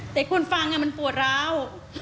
แต่คุณฟังมันปวดร้าว